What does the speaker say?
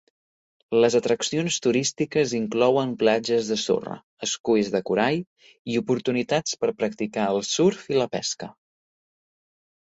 Les atraccions turístiques inclouen platges de sorra, esculls de corall i oportunitats per practicar el surf i la pesca.